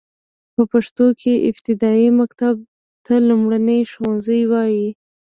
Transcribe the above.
په پښتو کې ابتدايي مکتب ته لومړنی ښوونځی وايي.